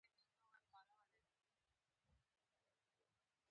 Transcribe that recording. د رسنیو ژبه باید روښانه وي.